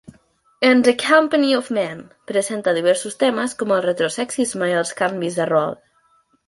"In the Company of Men" presenta diversos temes com el retrosexisme i els canvis de rol.